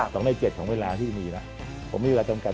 ข้าวในเจ็ดของเวลาที่จะมีละผมไม่อยู่รัจจังการ